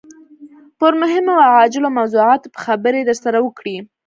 پر مهمو او عاجلو موضوعاتو به خبرې درسره وکړي.